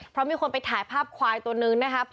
เพราะมีคนไปถ่ายภาพควายตัวนึงนะครับ